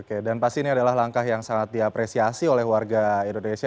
oke dan pasti ini adalah langkah yang sangat diapresiasi oleh warga indonesia